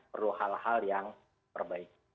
perlu hal hal yang perbaiki